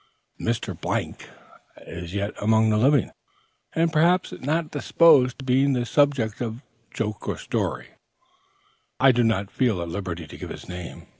As Mr. is yet among the living, and perhaps not disposed to be the subject of joke or story, I do not feel at liberty to give his name.